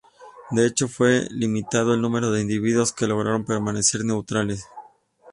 De hecho, fue limitado el número de individuos que lograron permanecer neutrales.